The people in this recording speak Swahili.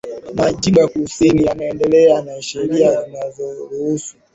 majimbo ya kusini yaliendelea na sheria zilizoruhusu